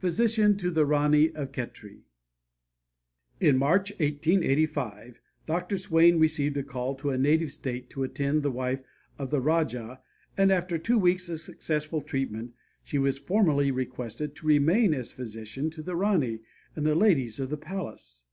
PHYSICIAN TO THE RANI OF KHETRI In March, 1885, Dr. Swain received a call to a native state to attend the wife of the Rajah, and after two weeks of successful treatment she was formally requested to remain as physician to the Rani and the ladies of the palace.